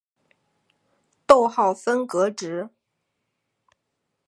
逗号分隔值。